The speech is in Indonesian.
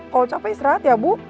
kalau capek istirahat ya bu